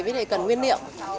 với lại cần nguyên liệu